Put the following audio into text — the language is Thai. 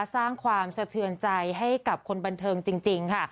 สร้างความสะเทือนใจให้กับคนบันเทิงจริงค่ะ